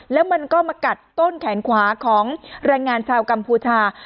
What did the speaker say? แล้วมันก็มากัดต้นแขนขวาของแรงงานชาวกัมพูชา